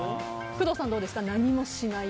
工藤さん、どうですか。